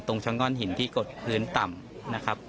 ชะง่อนหินที่กดพื้นต่ำนะครับ